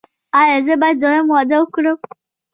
ایا زه باید دویم واده وکړم؟